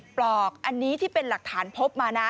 ปลอกอันนี้ที่เป็นหลักฐานพบมานะ